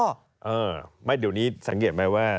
เดี๋ยวนี้สังเกตไหมว่า